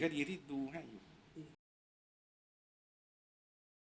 ช่างแอร์เนี้ยคือล้างหกเดือนครั้งยังไม่แอร์